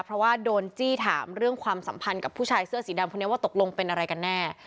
เพราะว่าโดนจี้ถามเรื่องความสัมพันธ์กับผู้ชายเสื้อสีดำคนนี้ว่าตกลงเป็นอะไรกันแน่